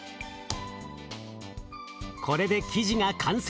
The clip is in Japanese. これで生地が完成。